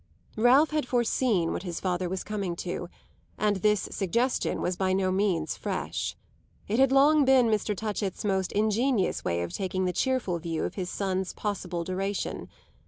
Ralph had foreseen what his father was coming to, and this suggestion was by no means fresh. It had long been Mr. Touchett's most ingenious way of taking the cheerful view of his son's possible duration.